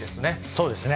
そうですね。